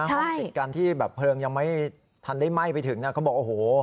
ห้องติดกันที่แบบเพลิงยังไม่ทันได้ไหม้ไปถึงนะเขาบอกโอ้โห